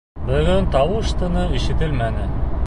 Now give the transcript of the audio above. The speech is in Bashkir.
Бөгөн тауыш-тыны ишетелмәне.